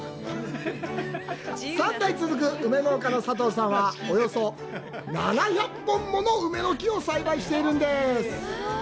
３代続く梅農家の佐藤さんは、およそ７００本もの梅の木を栽培しています。